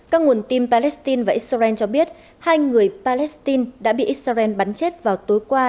các nguồn tin palestine và israel cho biết hai người palestine đã bị israel bắn chết vào tối qua